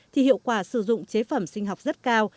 thì hiệu quả sử dụng chế phẩm sinh học rất cao